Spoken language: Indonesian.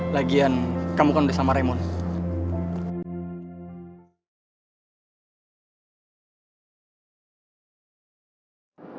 lagian kamu kan udah sama remon